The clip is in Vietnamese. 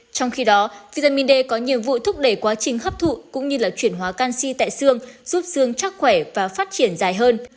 trong khi đó vitamin d có nhiệm vụ thúc đẩy quá trình hấp thụ cũng như là chuyển hóa canxi tại xương giúp xương chắc khỏe và phát triển dài hơn